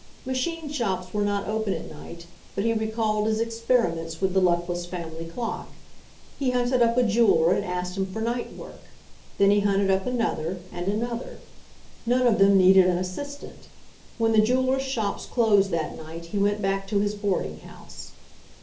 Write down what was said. Machine shops were not open at night, but he recalled his experiments with the luckless fam ily clock. He hunted up a jeweler and asked him for night work. Then he hunted up another, and another. None of them needed an assistant. When the jewelers' shops closed that night he went back to his boarding house.